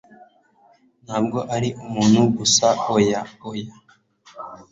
ntabwo ari umuntu gusaoya, oya